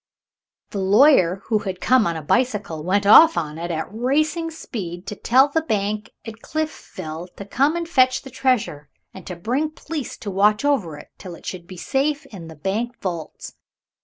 The lawyer, who had come on a bicycle, went off on it, at racing speed, to tell the Bank at Cliffville to come and fetch the treasure, and to bring police to watch over it till it should be safe in the Bank vaults.